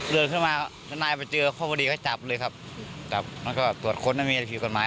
เดินขึ้นมานายเจอข้อบดีก็จับเลยครับจับแล้วก็ตรวจค้นถ้ามีอะไรผิดกว่าไม้